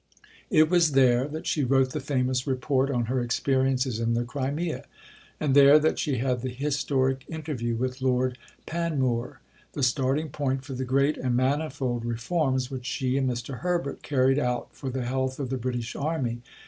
It was there that she wrote the famous Report on her experiences in the Crimea, and there that she had the historic interview with Lord Panmure the starting point for the great and manifold reforms which she and Mr. Herbert carried out for the health of the British Army.